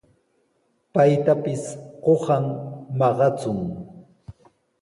Paytapis qusan maqachun.